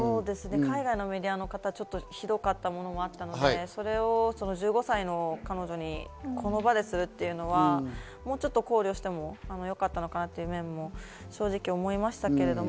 海外のメディアの人、ひどかったものもあるので、それを１５歳の彼女にこの場でするというのは、もうちょっと考慮してもよかったのかなという面も正直思いました。